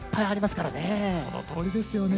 そのとおりですよね。